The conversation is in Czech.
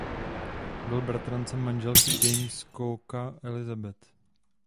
Byl bratrancem manželky Jamese Cooka Elizabeth.